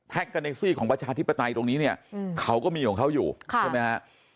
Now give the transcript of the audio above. กาเนซี่ของประชาธิปไตยตรงนี้เนี่ยเขาก็มีของเขาอยู่ใช่ไหมฮะ